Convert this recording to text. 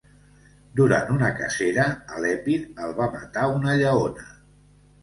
Durant una cacera, a l'Epir, el va matar una lleona.